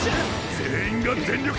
全員が全力！